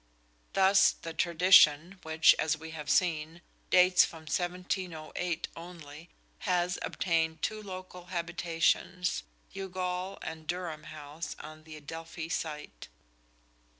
Thus the tradition, which, as we have seen, dates from 1708 only, has obtained two local habitations Youghal and Durham House on the Adelphi site.